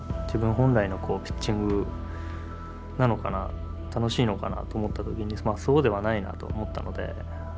自分本来のピッチングなのかな楽しいのかなと思った時にそうではないなと思ったので。